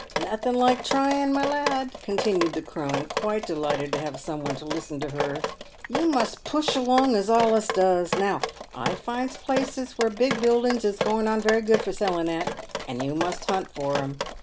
" Nothin' like trying, my lad," continued the crone, quite delighted to have some one to listen to her. " Tou must push along as all of us does. Now, I finds places where big buildings is going on very good for selling at, and you must hunt for them.